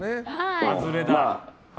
外れだ。